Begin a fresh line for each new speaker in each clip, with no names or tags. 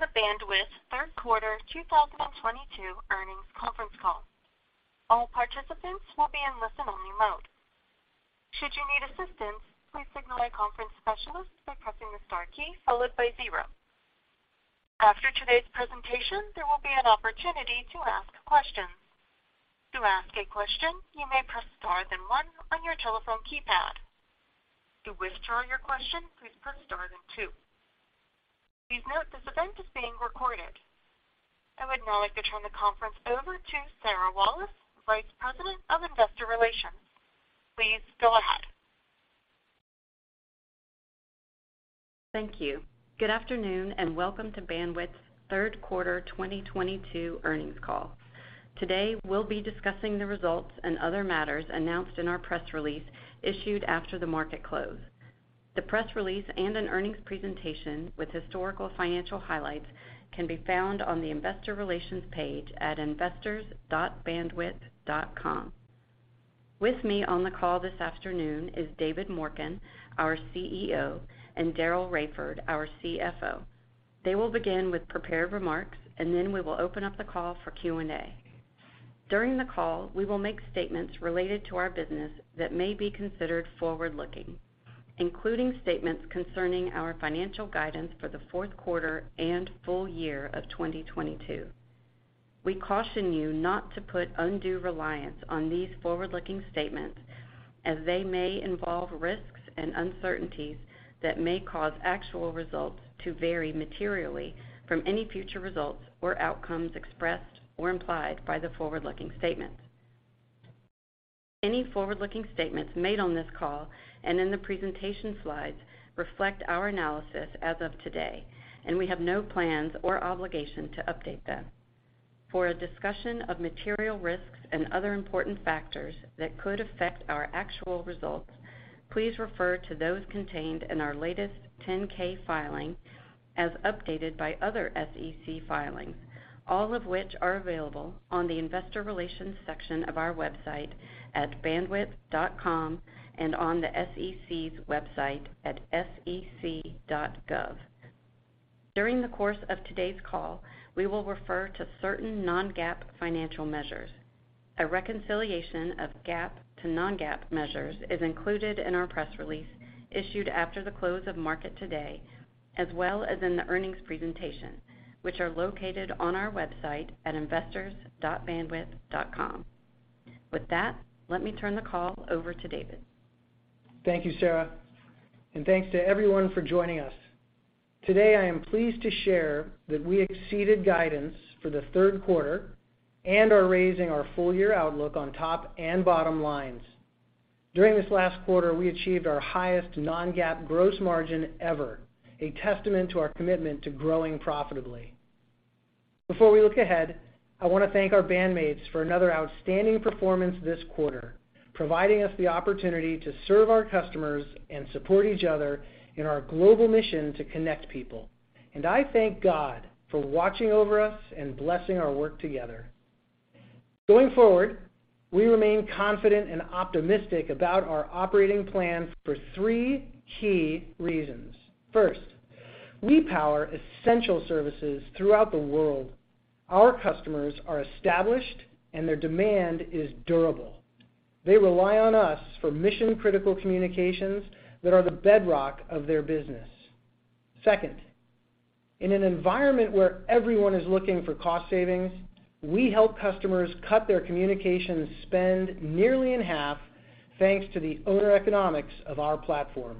Welcome to the Bandwidth third quarter 2022 earnings conference call. All participants will be in listen-only mode. Should you need assistance, please signal a conference specialist by pressing the star key followed by zero. After today's presentation, there will be an opportunity to ask questions. To ask a question, you may press star then one on your telephone keypad. To withdraw your question, please press star then two. Please note this event is being recorded. I would now like to turn the conference over to Sarah Wallace, Vice President of Investor Relations. Please go ahead.
Thank you. Good afternoon, and welcome to Bandwidth's third quarter 2022 earnings call. Today, we'll be discussing the results and other matters announced in our press release issued after the market close. The press release and an earnings presentation with historical financial highlights can be found on the investor relations page at investors.bandwidth.com. With me on the call this afternoon is David Morken, our CEO, and Daryl Raiford, our CFO. They will begin with prepared remarks, and then we will open up the call for Q&A. During the call, we will make statements related to our business that may be considered forward-looking, including statements concerning our financial guidance for the fourth quarter and full year of 2022. We caution you not to put undue reliance on these forward-looking statements as they may involve risks and uncertainties that may cause actual results to vary materially from any future results or outcomes expressed or implied by the forward-looking statements. Any forward-looking statements made on this call and in the presentation slides reflect our analysis as of today, and we have no plans or obligation to update them. For a discussion of material risks and other important factors that could affect our actual results, please refer to those contained in our latest 10-K filing as updated by other SEC filings, all of which are available on the investor relations section of our website at bandwidth.com and on the SEC's website at sec.gov. During the course of today's call, we will refer to certain non-GAAP financial measures. A reconciliation of GAAP to non-GAAP measures is included in our press release issued after the close of market today, as well as in the earnings presentation, which are located on our website at investors.bandwidth.com. With that, let me turn the call over to David.
Thank you, Sarah, and thanks to everyone for joining us. Today, I am pleased to share that we exceeded guidance for the third quarter and are raising our full-year outlook on top and bottom lines. During this last quarter, we achieved our highest non-GAAP gross margin ever, a testament to our commitment to growing profitably. Before we look ahead, I want to thank our bandmates for another outstanding performance this quarter, providing us the opportunity to serve our customers and support each other in our global mission to connect people. I thank God for watching over us and blessing our work together. Going forward, we remain confident and optimistic about our operating plan for three key reasons. First, we power essential services throughout the world. Our customers are established, and their demand is durable. They rely on us for mission-critical communications that are the bedrock of their business. Second, in an environment where everyone is looking for cost savings, we help customers cut their communications spend nearly in half, thanks to our own economics of our platform.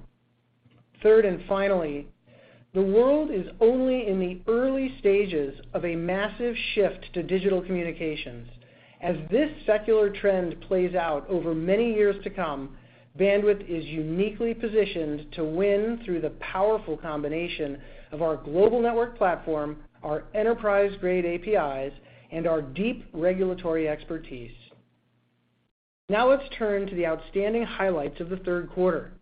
Third, and finally, the world is only in the early stages of a massive shift to digital communications. As this secular trend plays out over many years to come, Bandwidth is uniquely positioned to win through the powerful combination of our global network platform, our enterprise-grade APIs, and our deep regulatory expertise. Now, let's turn to the outstanding highlights of the third quarter.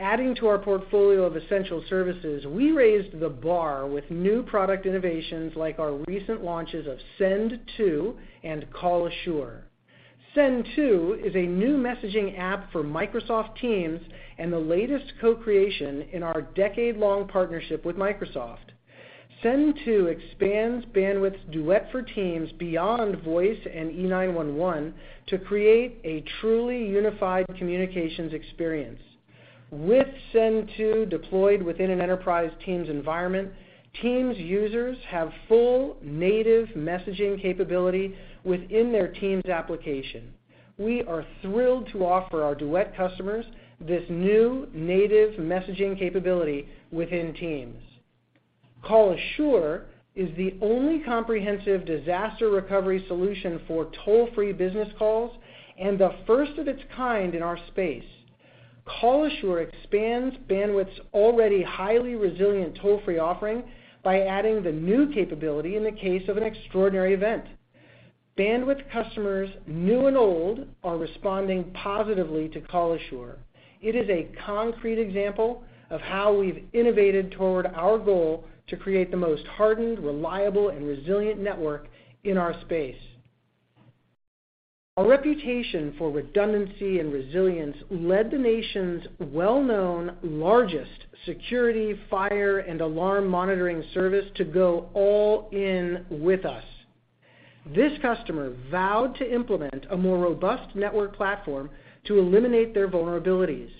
Adding to our portfolio of essential services, we raised the bar with new product innovations like our recent launches of Send-To and Call Assure. Send-To is a new messaging app for Microsoft Teams and the latest co-creation in our decade-long partnership with Microsoft. Send-To expands Bandwidth's Duet for Teams beyond voice and E911 to create a truly unified communications experience. With Send-To deployed within an enterprise Teams environment, Teams users have full native messaging capability within their Teams application. We are thrilled to offer our Duet customers this new native messaging capability within Teams. Call Assure is the only comprehensive disaster recovery solution for toll-free business calls and the first of its kind in our space. Call Assure expands Bandwidth's already highly resilient toll-free offering by adding the new capability in the case of an extraordinary event. Bandwidth customers, new and old, are responding positively to Call Assure. It is a concrete example of how we've innovated toward our goal to create the most hardened, reliable, and resilient network in our space. Our reputation for redundancy and resilience led the nation's well-known largest security, fire, and alarm monitoring service to go all in with us. This customer vowed to implement a more robust network platform to eliminate their vulnerabilities.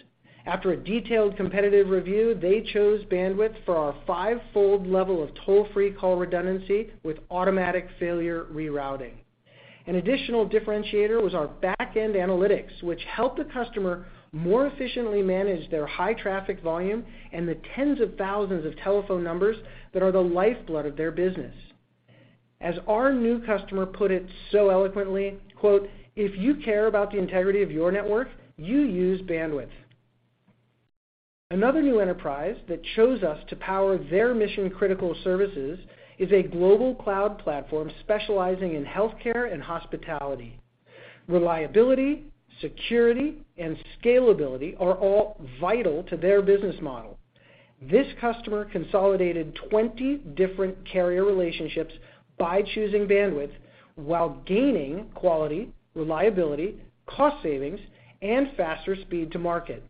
After a detailed competitive review, they chose Bandwidth for our five-fold level of toll-free call redundancy with automatic failure rerouting. An additional differentiator was our back-end analytics, which helped the customer more efficiently manage their high traffic volume and the tens of thousands of telephone numbers that are the lifeblood of their business. As our new customer put it so eloquently, quote, "If you care about the integrity of your network, you use Bandwidth." Another new enterprise that chose us to power their mission-critical services is a global cloud platform specializing in healthcare and hospitality. Reliability, security, and scalability are all vital to their business model. This customer consolidated 20 different carrier relationships by choosing Bandwidth while gaining quality, reliability, cost savings, and faster speed to market.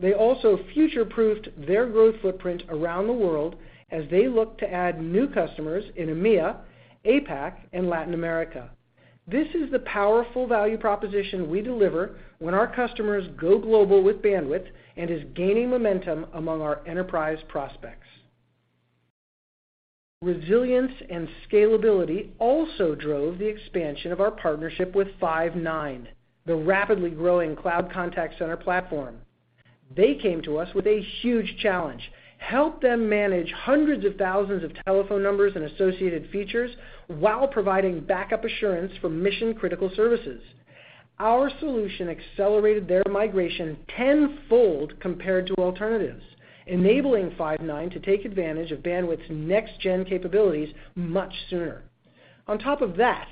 They also future-proofed their growth footprint around the world as they look to add new customers in EMEA, APAC, and Latin America. This is the powerful value proposition we deliver when our customers go global with Bandwidth and is gaining momentum among our enterprise prospects. Resilience and scalability also drove the expansion of our partnership with Five9, the rapidly growing cloud contact center platform. They came to us with a huge challenge: help them manage hundreds of thousands of telephone numbers and associated features while providing backup assurance for mission-critical services. Our solution accelerated their migration tenfold compared to alternatives, enabling Five9 to take advantage of Bandwidth's next gen capabilities much sooner. On top of that,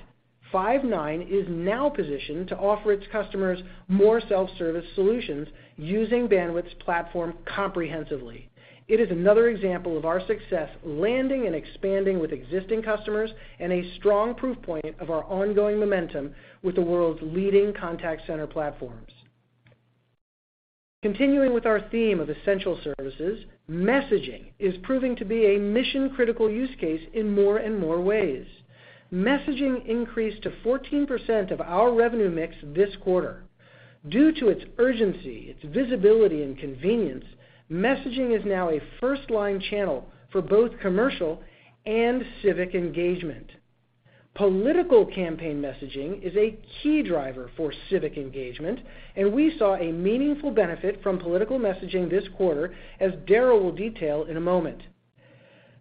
Five9 is now positioned to offer its customers more self-service solutions using Bandwidth's platform comprehensively. It is another example of our success landing and expanding with existing customers and a strong proof point of our ongoing momentum with the world's leading contact center platforms. Continuing with our theme of essential services, messaging is proving to be a mission-critical use case in more and more ways. Messaging increased to 14% of our revenue mix this quarter. Due to its urgency, its visibility, and convenience, messaging is now a first-line channel for both commercial and civic engagement. Political campaign messaging is a key driver for civic engagement, and we saw a meaningful benefit from political messaging this quarter, as Daryl will detail in a moment.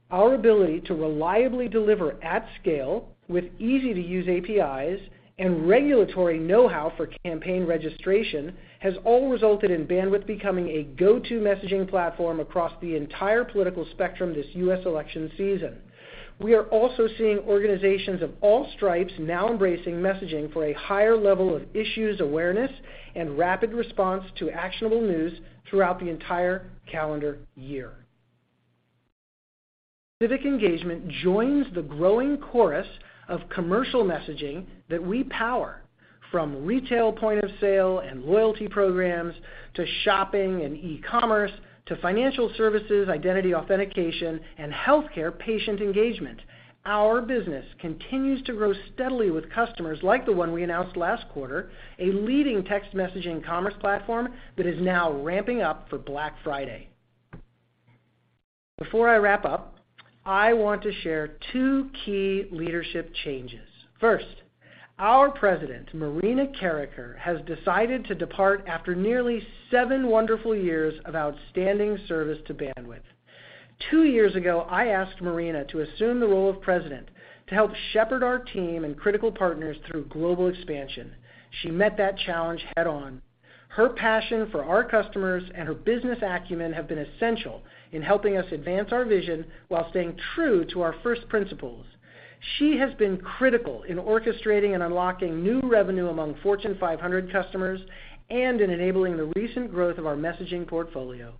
Our ability to reliably deliver at scale with easy-to-use APIs and regulatory know-how for campaign registration has all resulted in Bandwidth becoming a go-to messaging platform across the entire political spectrum this U.S. election season. We are also seeing organizations of all stripes now embracing messaging for a higher level of issues awareness and rapid response to actionable news throughout the entire calendar year. Civic engagement joins the growing chorus of commercial messaging that we power, from retail point of sale and loyalty programs, to shopping and e-commerce, to financial services, identity authentication, and healthcare patient engagement. Our business continues to grow steadily with customers like the one we announced last quarter, a leading text messaging commerce platform that is now ramping up for Black Friday. Before I wrap up, I want to share two key leadership changes. First, our president, Marina Carreker, has decided to depart after nearly seven wonderful years of outstanding service to Bandwidth. Two years ago, I asked Marina to assume the role of president to help shepherd our team and critical partners through global expansion. She met that challenge head-on. Her passion for our customers and her business acumen have been essential in helping us advance our vision while staying true to our first principles. She has been critical in orchestrating and unlocking new revenue among Fortune 500 customers and in enabling the recent growth of our messaging portfolio.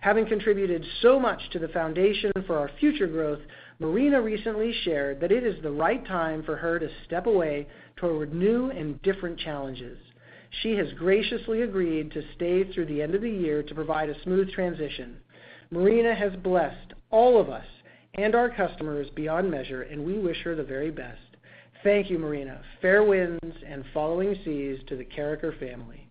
Having contributed so much to the foundation for our future growth, Marina recently shared that it is the right time for her to step away toward new and different challenges. She has graciously agreed to stay through the end of the year to provide a smooth transition. Marina has blessed all of us and our customers beyond measure, and we wish her the very best. Thank you, Marina. Fair winds and following seas to the Carreker family.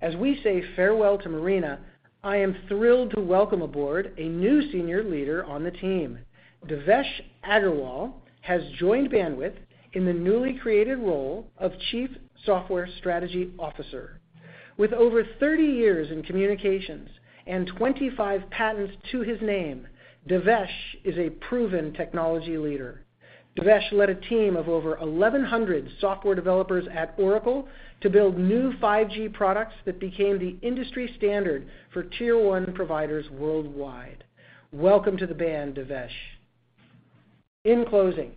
As we say farewell to Marina, I am thrilled to welcome aboard a new senior leader on the team. Devesh Agarwal has joined Bandwidth in the newly created role of Chief Software Strategy Officer. With over 30 years in communications and 25 patents to his name, Devesh is a proven technology leader. Devesh led a team of over 1,100 software developers at Oracle to build new 5G products that became the industry standard for tier one providers worldwide. Welcome to Bandwidth, Devesh. In closing,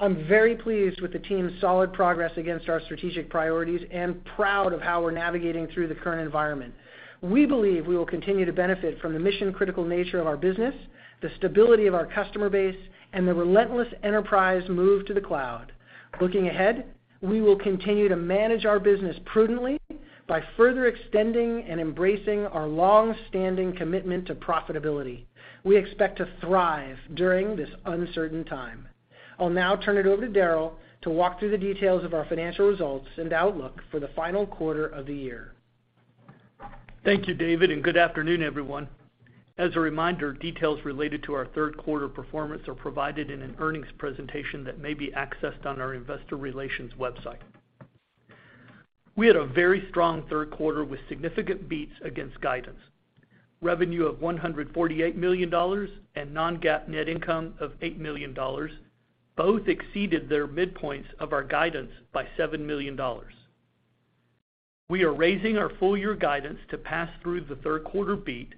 I'm very pleased with the team's solid progress against our strategic priorities and proud of how we're navigating through the current environment. We believe we will continue to benefit from the mission-critical nature of our business, the stability of our customer base, and the relentless enterprise move to the cloud. Looking ahead, we will continue to manage our business prudently by further extending and embracing our long-standing commitment to profitability. We expect to thrive during this uncertain time. I'll now turn it over to Daryl to walk through the details of our financial results and outlook for the final quarter of the year.
Thank you, David, and good afternoon, everyone. As a reminder, details related to our third quarter performance are provided in an earnings presentation that may be accessed on our investor relations website. We had a very strong third quarter with significant beats against guidance. Revenue of $148 million and non-GAAP net income of $8 million, both exceeded their midpoints of our guidance by $7 million. We are raising our full year guidance to pass through the third quarter beat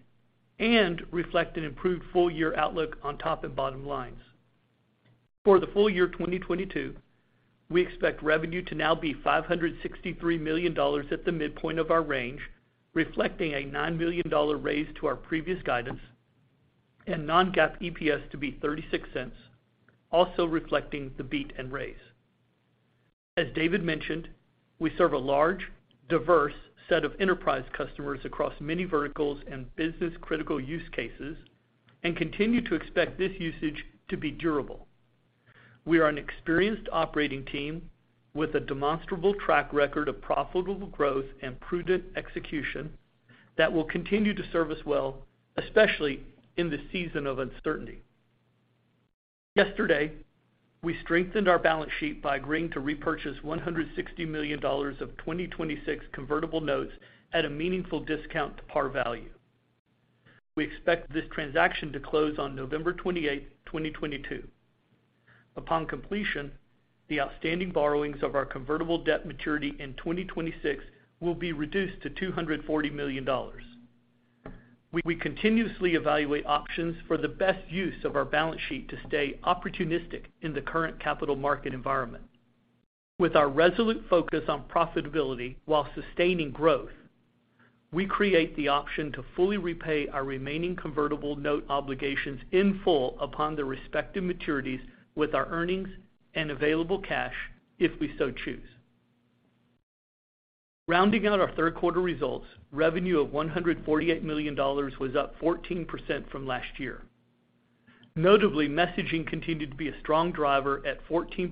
and reflect an improved full-year outlook on top and bottom lines. For the full year 2022, we expect revenue to now be $563 million at the midpoint of our range, reflecting a $9 million raise to our previous guidance, and non-GAAP EPS to be $0.36, also reflecting the beat and raise. As David mentioned, we serve a large, diverse set of enterprise customers across many verticals and business critical use cases and continue to expect this usage to be durable. We are an experienced operating team with a demonstrable track record of profitable growth and prudent execution that will continue to serve us well, especially in this season of uncertainty. Yesterday, we strengthened our balance sheet by agreeing to repurchase $160 million of 2026 convertible notes at a meaningful discount to par value. We expect this transaction to close on November 28, 2022. Upon completion, the outstanding borrowings of our convertible debt maturity in 2026 will be reduced to $240 million. We continuously evaluate options for the best use of our balance sheet to stay opportunistic in the current capital market environment. With our resolute focus on profitability while sustaining growth, we create the option to fully repay our remaining convertible note obligations in full upon the respective maturities with our earnings and available cash if we so choose. Rounding out our third quarter results, revenue of $148 million was up 14% from last year. Notably, messaging continued to be a strong driver at 14%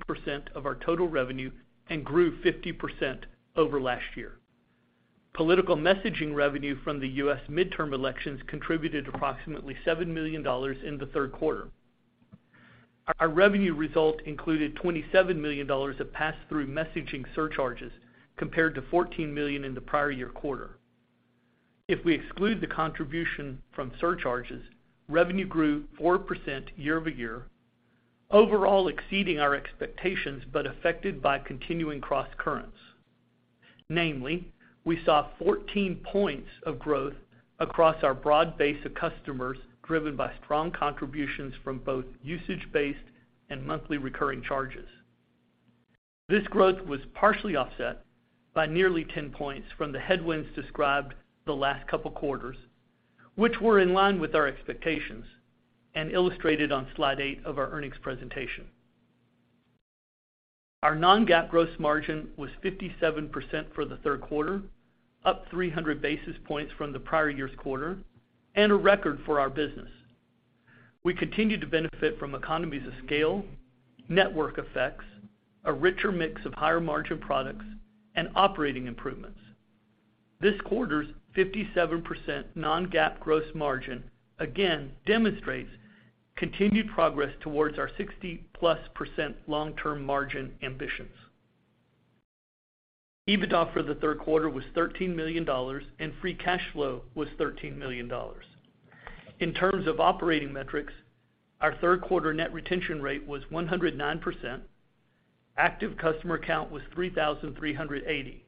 of our total revenue and grew 50% over last year. Political messaging revenue from the U.S. midterm elections contributed approximately $7 million in the third quarter. Our revenue result included $27 million of pass-through messaging surcharges compared to $14 million in the prior year quarter. If we exclude the contribution from surcharges, revenue grew 4% year-over-year, overall exceeding our expectations but affected by continuing crosscurrents. Namely, we saw 14% growth across our broad base of customers, driven by strong contributions from both usage-based and monthly recurring charges. This growth was partially offset by nearly 10% from the headwinds described the last couple quarters, which were in line with our expectations and illustrated on slide 8 of our earnings presentation. Our non-GAAP gross margin was 57% for the third quarter, up 300 basis points from the prior year's quarter and a record for our business. We continue to benefit from economies of scale, network effects, a richer mix of higher-margin products, and operating improvements. This quarter's 57% non-GAAP gross margin again demonstrates continued progress towards our 60%+ long-term margin ambitions. EBITDA for the third quarter was $13 million, and free cash flow was $13 million. In terms of operating metrics, our third quarter net retention rate was 109%. Active customer count was 3,380.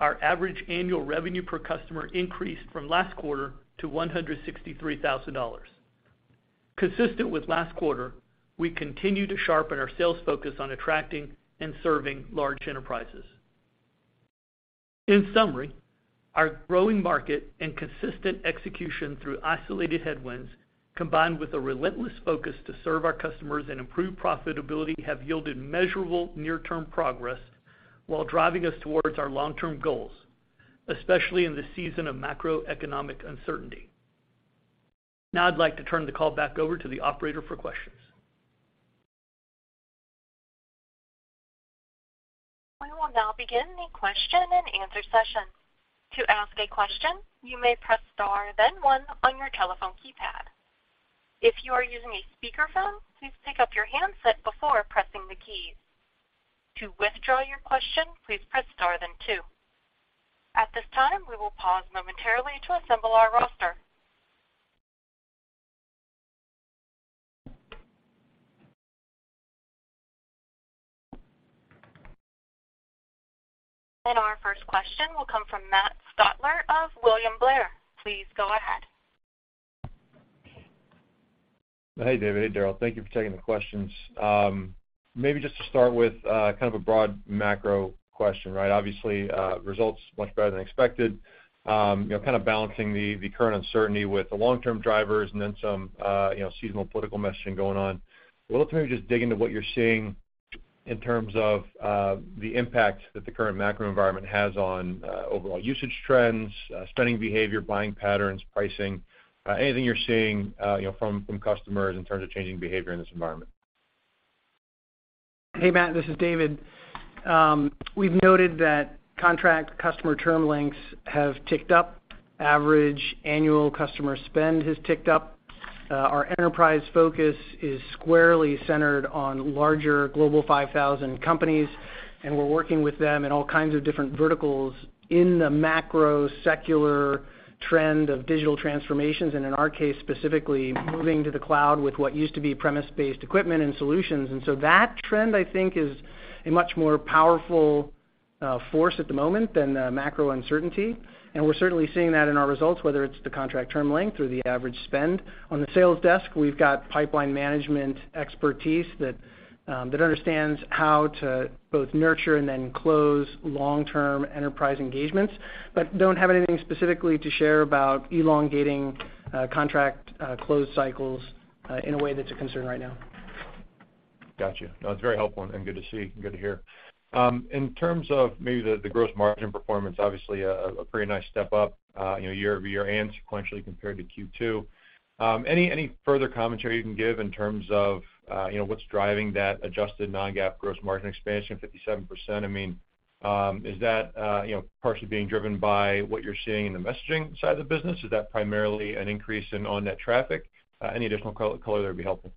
Our average annual revenue per customer increased from last quarter to $163,000. Consistent with last quarter, we continue to sharpen our sales focus on attracting and serving large enterprises. In summary, our growing market and consistent execution through isolated headwinds, combined with a relentless focus to serve our customers and improve profitability, have yielded measurable near-term progress while driving us towards our long-term goals, especially in this season of macroeconomic uncertainty. Now I'd like to turn the call back over to the operator for questions.
We will now begin the question-and-answer session. To ask a question, you may press star then one on your telephone keypad. If you are using a speakerphone, please pick up your handset before pressing the keys. To withdraw your question, please press star then two. At this time, we will pause momentarily to assemble our roster. Our first question will come from Matt Stotler of William Blair. Please go ahead.
Hey, David. Hey, Daryl. Thank you for taking the questions. Maybe just to start with kind of a broad macro question, right? Obviously, results much better than expected, you know, kind of balancing the current uncertainty with the long-term drivers and then some, you know, seasonal political messaging going on. Want to maybe just dig into what you're seeing in terms of the impact that the current macro environment has on overall usage trends, spending behavior, buying patterns, pricing, anything you're seeing, you know, from customers in terms of changing behavior in this environment.
Hey, Matt, this is David. We've noted that contract customer term lengths have ticked up. Average annual customer spend has ticked up. Our enterprise focus is squarely centered on larger Global 5000 companies, and we're working with them in all kinds of different verticals in the macro secular trend of digital transformations, and in our case, specifically moving to the cloud with what used to be premises-based equipment and solutions. That trend, I think, is a much more powerful force at the moment than the macro uncertainty. We're certainly seeing that in our results, whether it's the contract term length or the average spend. On the sales desk, we've got pipeline management expertise that understands how to both nurture and then close long-term enterprise engagements, but don't have anything specifically to share about elongating contract close cycles in a way that's a concern right now.
Got you. No, it's very helpful and good to see, good to hear. In terms of maybe the gross margin performance, obviously a pretty nice step up, you know, year-over-year and sequentially compared to Q2. Any further commentary you can give in terms of, you know, what's driving that adjusted non-GAAP gross margin expansion, 57%? I mean, is that partially being driven by what you're seeing in the messaging side of the business? Is that primarily an increase in on net traffic? Any additional color there would be helpful.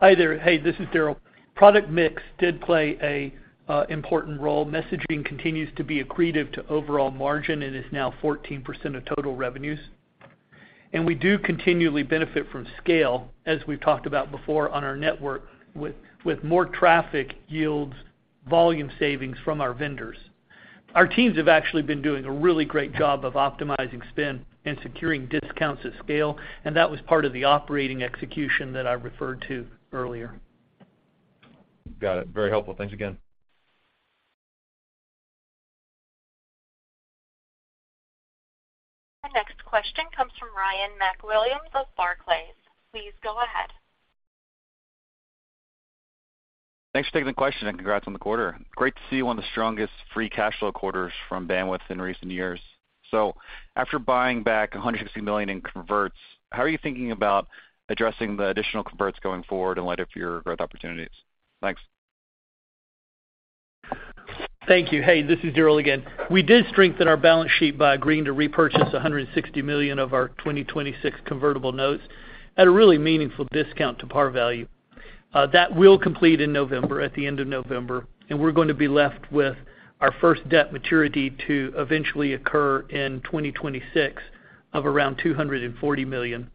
Hi there. Hey, this is Daryl. Product mix did play an important role. Messaging continues to be accretive to overall margin and is now 14% of total revenues. We do continually benefit from scale, as we've talked about before on our network, with more traffic yields volume savings from our vendors. Our teams have actually been doing a really great job of optimizing spend and securing discounts at scale, and that was part of the operating execution that I referred to earlier.
Got it. Very helpful. Thanks again.
Our next question comes from Ryan MacWilliams of Barclays. Please go ahead.
Thanks for taking the question, and congrats on the quarter. Great to see one of the strongest free cash flow quarters from Bandwidth in recent years. After buying back $160 million in converts, how are you thinking about addressing the additional converts going forward in light of your growth opportunities? Thanks.
Thank you. Hey, this is Daryl again. We did strengthen our balance sheet by agreeing to repurchase $160 million of our 2026 convertible notes at a really meaningful discount to par value. That will complete in November, at the end of November, and we're gonna be left with our first debt maturity to eventually occur in 2026 of around $240 million.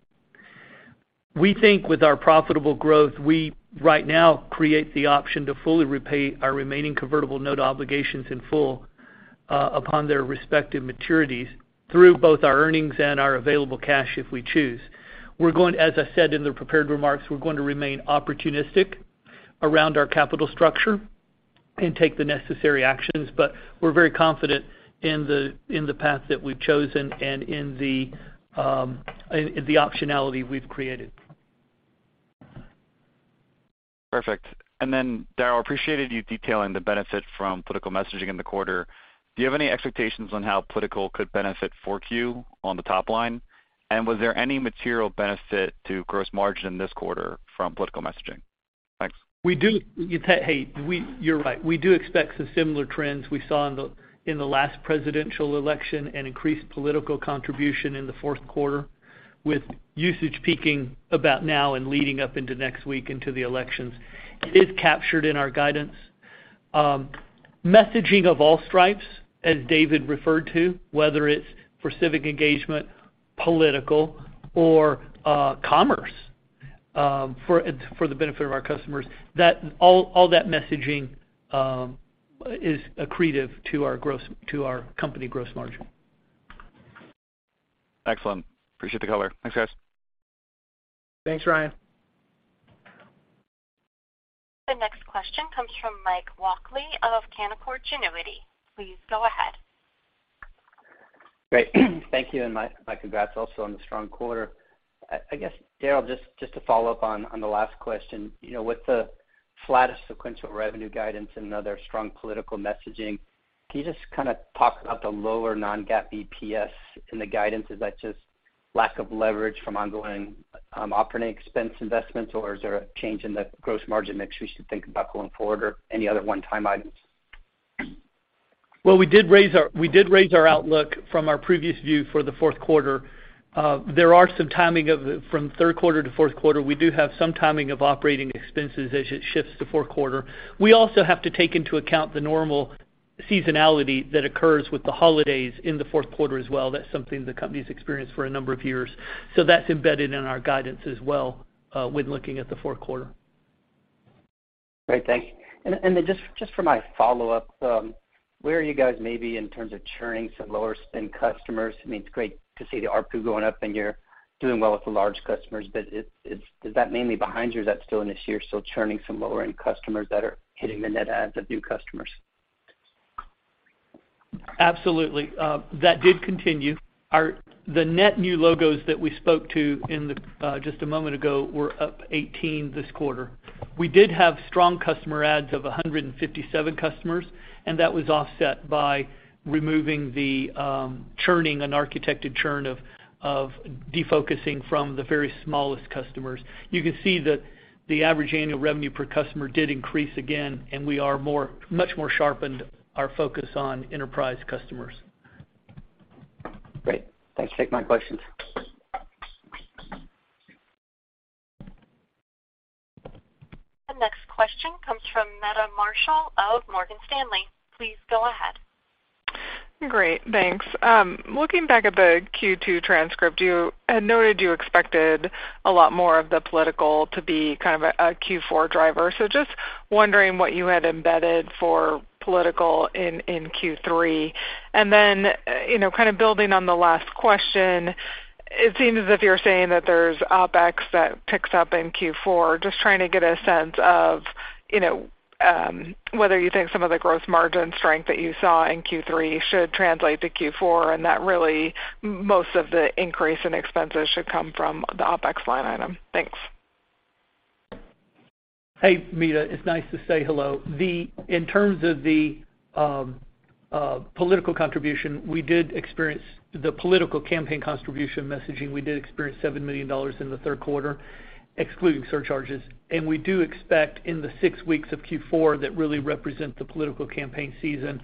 We think with our profitable growth, we right now create the option to fully repay our remaining convertible note obligations in full, upon their respective maturities through both our earnings and our available cash if we choose. We're going, as I said in the prepared remarks, we're going to remain opportunistic around our capital structure and take the necessary actions, but we're very confident in the path that we've chosen and in the optionality we've created.
Perfect. Daryl, appreciated you detailing the benefit from political messaging in the quarter. Do you have any expectations on how political could benefit 4Q on the top line? Was there any material benefit to gross margin this quarter from political messaging? Thanks.
We do. You're right. We do expect some similar trends we saw in the last presidential election and increased political contribution in the fourth quarter, with usage peaking about now and leading up into next week into the elections. It is captured in our guidance. Messaging of all stripes, as David referred to, whether it's for civic engagement, political, or commerce, for the benefit of our customers, that all that messaging is accretive to our company gross margin.
Excellent. Appreciate the color. Thanks, guys.
Thanks, Ryan.
The next question comes from Michael Walkley of Canaccord Genuity. Please go ahead.
Great. Thank you, and my congrats also on the strong quarter. I guess, Daryl, just to follow up on the last question, you know, with the flattest sequential revenue guidance and other strong political messaging, can you just kinda talk about the lower non-GAAP EPS in the guidance? Is that just lack of leverage from ongoing operating expense investments, or is there a change in the gross margin mix we should think about going forward, or any other one-time items?
Well, we did raise our outlook from our previous view for the fourth quarter. There are some timing from third quarter to fourth quarter. We do have some timing of operating expenses as it shifts to fourth quarter. We also have to take into account the normal seasonality that occurs with the holidays in the fourth quarter as well. That's something the company's experienced for a number of years. That's embedded in our guidance as well. When looking at the fourth quarter.
Great. Thanks. Then just for my follow-up, where are you guys maybe in terms of churning some lower-spend customers? I mean, it's great to see the ARPU going up, and you're doing well with the large customers, but is that mainly behind you or is that still an issue, you're still churning some lower-end customers that are hitting the net adds of new customers?
Absolutely. That did continue. Our net new logos that we spoke to in just a moment ago were up 18 this quarter. We did have strong customer adds of 157 customers, and that was offset by removing the churning, an architected churn of defocusing from the very smallest customers. You can see that the average annual revenue per customer did increase again, and we are much more sharpened our focus on enterprise customers.
Great. Thanks for taking my questions.
The next question comes from Meta Marshall of Morgan Stanley. Please go ahead.
Great. Thanks. Looking back at the Q2 transcript, you had noted you expected a lot more of the political to be kind of a Q4 driver. Just wondering what you had embedded for political in Q3. Then, you know, kind of building on the last question, it seems as if you're saying that there's OpEx that picks up in Q4. Just trying to get a sense of, you know, whether you think some of the gross margin strength that you saw in Q3 should translate to Q4, and that really most of the increase in expenses should come from the OpEx line item. Thanks.
Hey, Meta, it's nice to say hello. In terms of the political contribution, we did experience the political campaign contribution messaging. We did experience $7 million in the third quarter, excluding surcharges. We do expect in the six weeks of Q4 that really represent the political campaign season,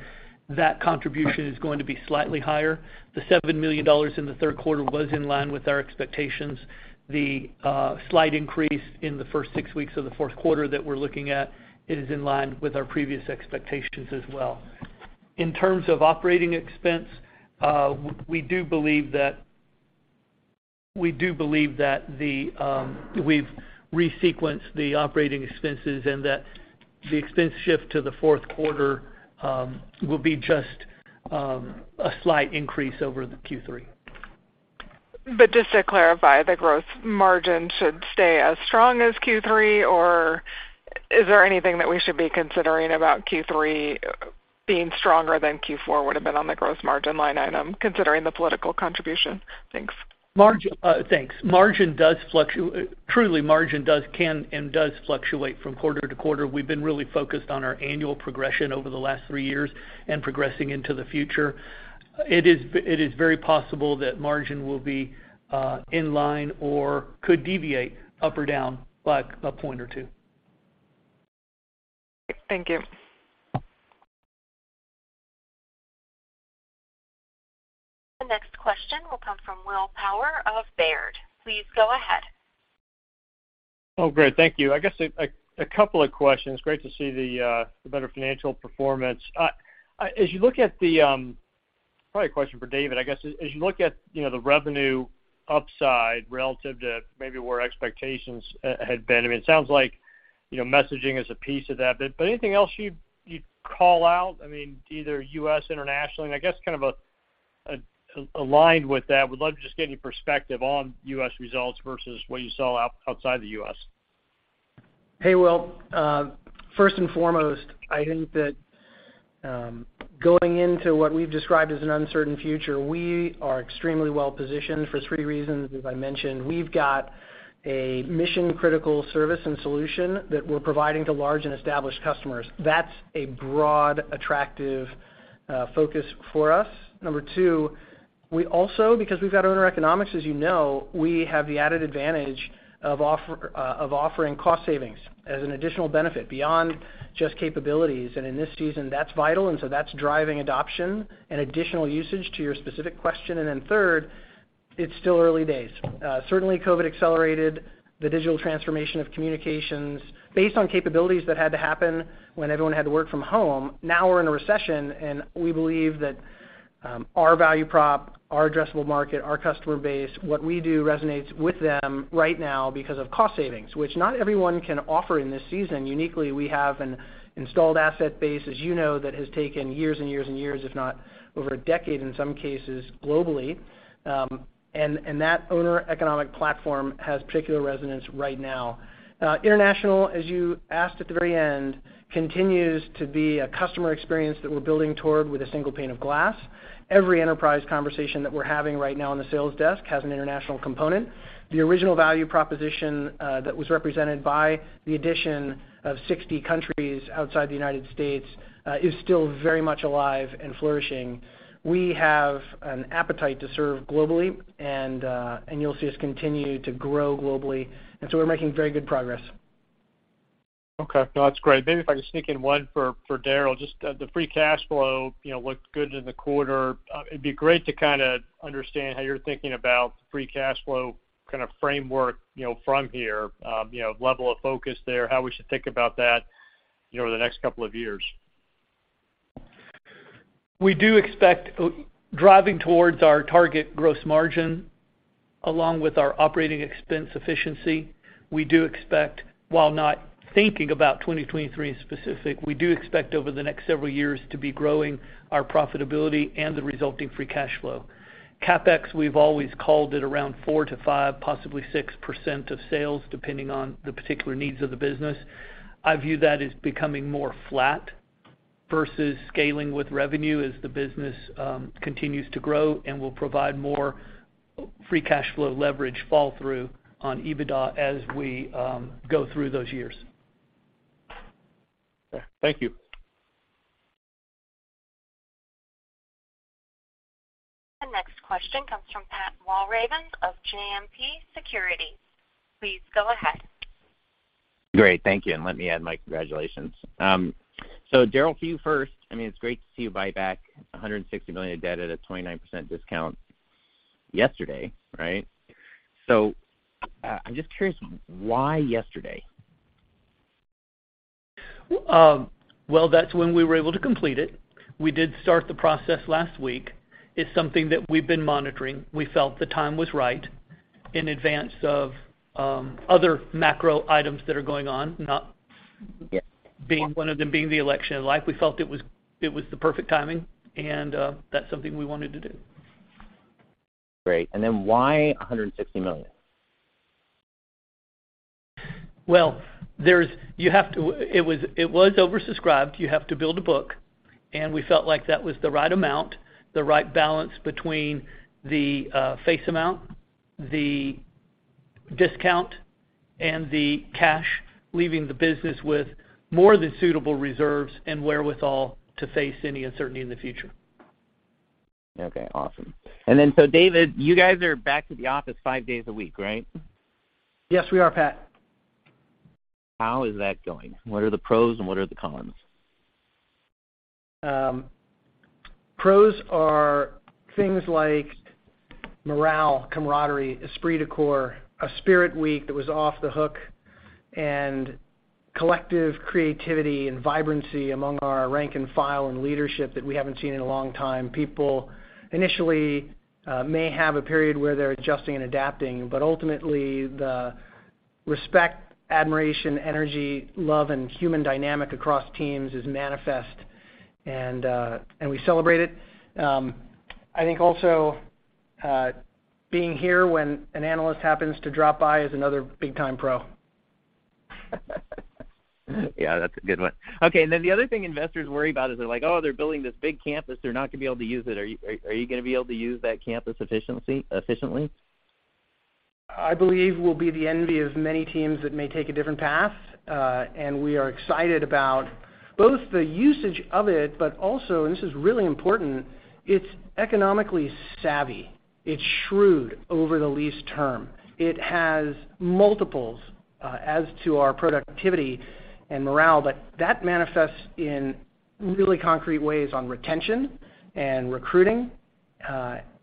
that contribution is going to be slightly higher. The $7 million in the third quarter was in line with our expectations. The slight increase in the first six weeks of the fourth quarter that we're looking at is in line with our previous expectations as well. In terms of operating expense, we do believe that we've resequenced the operating expenses and that the expense shift to the fourth quarter will be just a slight increase over the Q3.
Just to clarify, the gross margin should stay as strong as Q3? Or is there anything that we should be considering about Q3 being stronger than Q4 would have been on the gross margin line item, considering the political contribution? Thanks.
Thanks. Truly, margin can and does fluctuate from quarter to quarter. We've been really focused on our annual progression over the last three years and progressing into the future. It is very possible that margin will be in line or could deviate up or down by a point or two.
Thank you.
The next question will come from Will Power of Baird. Please go ahead.
Oh, great. Thank you. I guess a couple of questions. Great to see the better financial performance. Probably a question for David, I guess. As you look at, you know, the revenue upside relative to maybe where expectations had been, I mean, it sounds like, you know, messaging is a piece of that. But anything else you'd call out, I mean, either U.S., internationally? I guess kind of aligned with that, would love to just get your perspective on U.S. results versus what you saw outside the U.S.
Hey, Will. First and foremost, I think that, going into what we've described as an uncertain future, we are extremely well positioned for three reasons, as I mentioned. We've got a mission-critical service and solution that we're providing to large and established customers. That's a broad, attractive, focus for us. Number two, we also, because we've got owner economics, as you know, we have the added advantage of offering cost savings as an additional benefit beyond just capabilities. In this season, that's vital, and so that's driving adoption and additional usage to your specific question. Then third, it's still early days. Certainly COVID accelerated the digital transformation of communications based on capabilities that had to happen when everyone had to work from home. Now we're in a recession, and we believe that our value prop, our addressable market, our customer base, what we do resonates with them right now because of cost savings, which not everyone can offer in this season. Uniquely, we have an installed asset base, as you know, that has taken years and years and years, if not over a decade in some cases, globally. And that our economic platform has particular resonance right now. International, as you asked at the very end, continues to be a customer experience that we're building toward with a single pane of glass. Every enterprise conversation that we're having right now on the sales desk has an international component. The original value proposition that was represented by the addition of 60 countries outside the United States is still very much alive and flourishing. We have an appetite to serve globally, and you'll see us continue to grow globally. We're making very good progress.
Okay. No, that's great. Maybe if I could sneak in one for Daryl, just the free cash flow, you know, looked good in the quarter. It'd be great to kinda understand how you're thinking about free cash flow kind of framework, you know, from here. You know, level of focus there, how we should think about that, you know, over the next couple of years.
We do expect driving towards our target gross margin along with our operating expense efficiency. We do expect, while not thinking about 2023 specific, we do expect over the next several years to be growing our profitability and the resulting free cash flow. CapEx, we've always called it around 4%-5%, possibly 6% of sales, depending on the particular needs of the business. I view that as becoming more flat versus scaling with revenue as the business continues to grow and will provide more free cash flow leverage flow through on EBITDA as we go through those years.
Okay. Thank you.
The next question comes from Patrick Walravens of JMP Securities. Please go ahead.
Great. Thank you, and let me add my congratulations. Daryl, to you first. I mean, it's great to see you buy back $160 million of debt at a 29% discount yesterday, right? I'm just curious, why yesterday?
Well, that's when we were able to complete it. We did start the process last week. It's something that we've been monitoring. We felt the time was right in advance of other macro items that are going on.
Yes
being one of them being the allocation of lines. We felt it was the perfect timing, and that's something we wanted to do.
Great. Why $160 million?
Well, it was oversubscribed. You have to build a book, and we felt like that was the right amount, the right balance between the face amount, the discount, and the cash, leaving the business with more than suitable reserves and wherewithal to face any uncertainty in the future.
Okay, awesome. David, you guys are back to the office five days a week, right?
Yes, we are, Pat.
How is that going? What are the pros and what are the cons?
Pros are things like morale, camaraderie, esprit de corps, a spirit week that was off the hook, and collective creativity and vibrancy among our rank and file and leadership that we haven't seen in a long time. People initially may have a period where they're adjusting and adapting, but ultimately, the respect, admiration, energy, love, and human dynamic across teams is manifest, and we celebrate it. I think also, being here when an analyst happens to drop by is another big time pro.
Yeah, that's a good one. Okay. The other thing investors worry about is they're like, "Oh, they're building this big campus. They're not gonna be able to use it." Are you gonna be able to use that campus efficiently?
I believe we'll be the envy of many teams that may take a different path. We are excited about both the usage of it, but also, and this is really important, it's economically savvy. It's shrewd over the lease term. It has multiples as to our productivity and morale, but that manifests in really concrete ways on retention and recruiting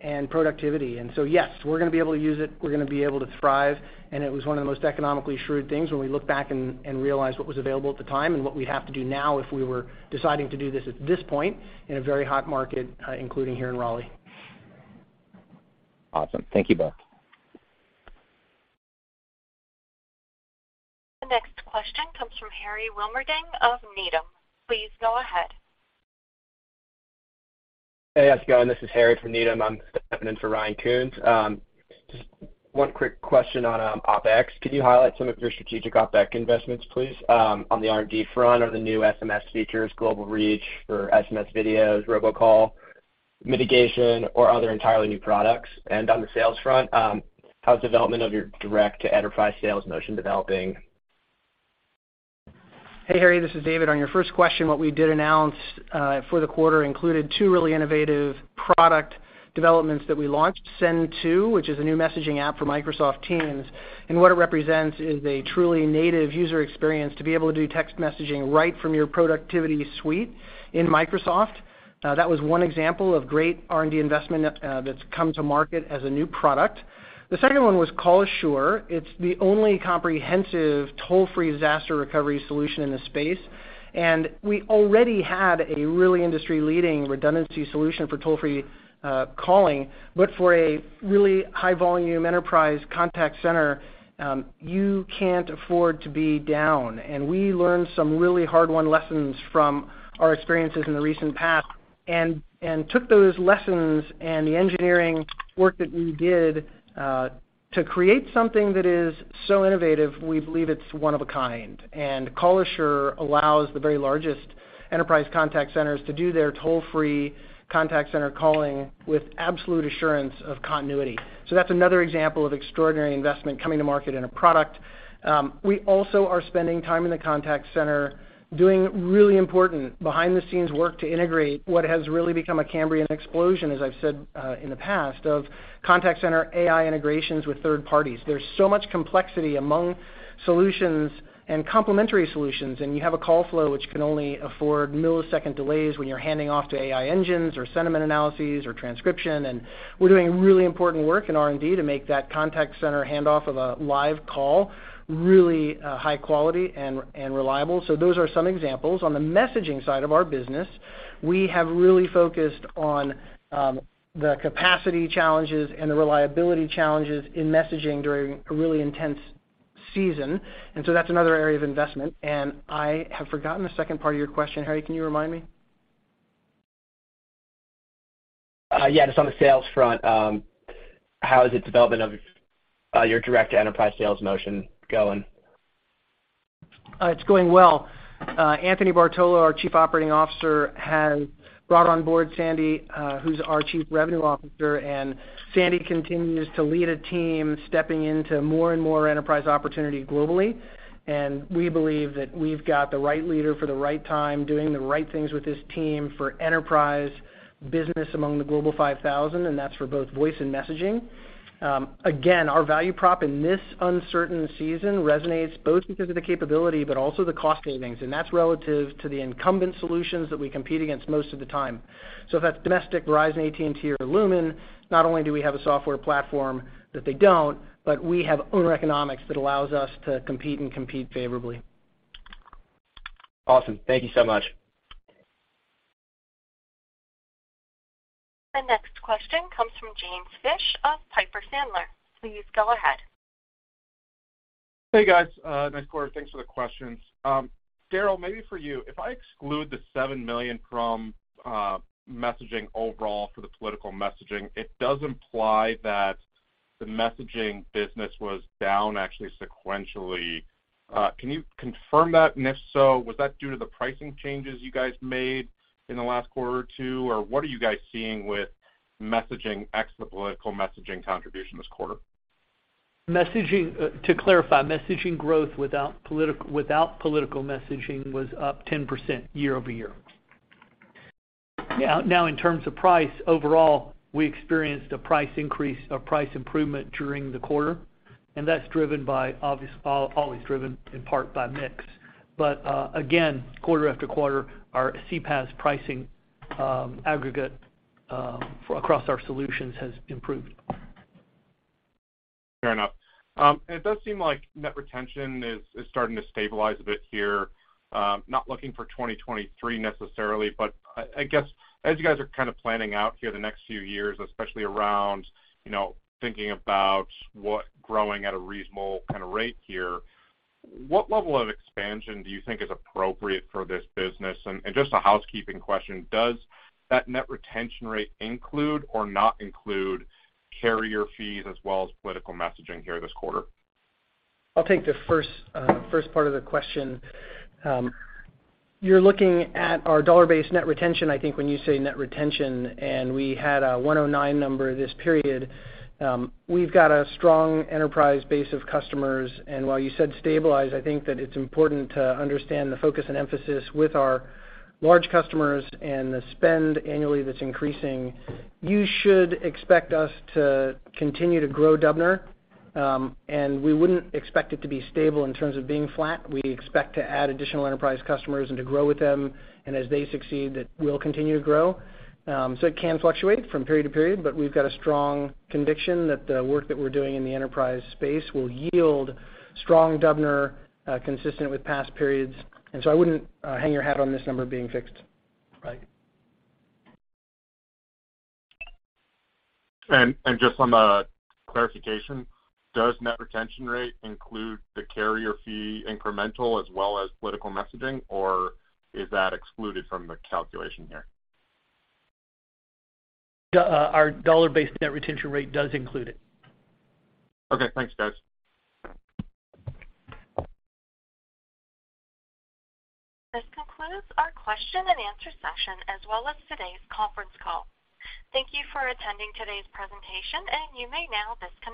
and productivity. Yes, we're gonna be able to use it. We're gonna be able to thrive. It was one of the most economically shrewd things when we look back and realize what was available at the time and what we'd have to do now if we were deciding to do this at this point in a very hot market, including here in Raleigh.
Awesome. Thank you both.
The next question comes from Harry Wilmerding of Needham. Please go ahead.
Hey, how's it going? This is Harry from Needham. I'm stepping in for Ryan Koontz. Just one quick question on OpEx. Could you highlight some of your strategic OpEx investments, please on the R&D front or the new SMS features, global reach for SMS videos, robocall mitigation, or other entirely new products? On the sales front, how's development of your direct-to-enterprise sales motion developing?
Hey, Harry, this is David. On your first question, what we did announce for the quarter included two really innovative product developments that we launched. Send To, which is a new messaging app for Microsoft Teams, and what it represents is a truly native user experience to be able to do text messaging right from your productivity suite in Microsoft. That was one example of great R&D investment that's come to market as a new product. The second one was Call Assure. It's the only comprehensive toll-free disaster recovery solution in the space. We already had a really industry-leading redundancy solution for toll-free calling. For a really high volume enterprise contact center, you can't afford to be down. We learned some really hard-won lessons from our experiences in the recent past and took those lessons and the engineering work that we did to create something that is so innovative, we believe it's one of a kind. Call Assure allows the very largest enterprise contact centers to do their toll-free contact center calling with absolute assurance of continuity. That's another example of extraordinary investment coming to market in a product. We also are spending time in the contact center doing really important behind-the-scenes work to integrate what has really become a Cambrian explosion, as I've said in the past, of contact center AI integrations with third parties. There's so much complexity among solutions and complementary solutions, and you have a call flow which can only afford millisecond delays when you're handing off to AI engines or sentiment analyses or transcription. We're doing really important work in R&D to make that contact center hand off of a live call really high quality and reliable. Those are some examples. On the messaging side of our business, we have really focused on the capacity challenges and the reliability challenges in messaging during a really intense season. That's another area of investment. I have forgotten the second part of your question. Harry, can you remind me?
Yeah, just on the sales front, how is the development of your direct enterprise sales motion going?
It's going well. Anthony Bartolo, our Chief Operating Officer, has brought on board Sandy, who's our Chief Revenue Officer, and Sandy continues to lead a team stepping into more and more enterprise opportunity globally. We believe that we've got the right leader for the right time doing the right things with his team for enterprise business among the Global 5000, and that's for both voice and messaging. Again, our value prop in this uncertain season resonates both because of the capability but also the cost savings, and that's relative to the incumbent solutions that we compete against most of the time. If that's domestic Verizon, AT&T or Lumen, not only do we have a software platform that they don't, but we have our own economics that allows us to compete and compete favorably.
Awesome. Thank you so much.
The next question comes from James Fish of Piper Sandler. Please go ahead.
Hey, guys. Nice quarter. Thanks for the questions. Daryl, maybe for you, if I exclude the $7 million from messaging overall for the political messaging, it does imply that the messaging business was down actually sequentially. Can you confirm that? If so, was that due to the pricing changes you guys made in the last quarter or two, or what are you guys seeing with messaging, ex the political messaging contribution this quarter?
Messaging. To clarify, messaging growth without political messaging was up 10% year-over-year. Now in terms of price, overall, we experienced a price increase or price improvement during the quarter, and that's always driven in part by mix. Again, quarter after quarter, our CPaaS pricing aggregate across our solutions has improved.
Fair enough. It does seem like net retention is starting to stabilize a bit here. Not looking for 2023 necessarily, but I guess, as you guys are kinda planning out here the next few years, especially around, you know, thinking about what growing at a reasonable kinda rate here, what level of expansion do you think is appropriate for this business? Just a housekeeping question, does that net retention rate include or not include carrier fees as well as political messaging here this quarter?
I'll take the first part of the question. You're looking at our dollar-based net retention, I think, when you say net retention, and we had a 109 number this period. We've got a strong enterprise base of customers. While you said stabilize, I think that it's important to understand the focus and emphasis with our large customers and the spend annually that's increasing. You should expect us to continue to grow DBNER, and we wouldn't expect it to be stable in terms of being flat. We expect to add additional enterprise customers and to grow with them, and as they succeed, it will continue to grow. It can fluctuate from period to period, but we've got a strong conviction that the work that we're doing in the enterprise space will yield strong DBNER, consistent with past periods. I wouldn't hang your hat on this number being fixed.
Right. Just on the clarification, does net retention rate include the carrier fee incremental as well as political messaging, or is that excluded from the calculation here?
Our Dollar-Based Net Retention Rate does include it.
Okay. Thanks, guys.
This concludes our question-and-answer session, as well as today's conference call. Thank you for attending today's presentation, and you may now disconnect.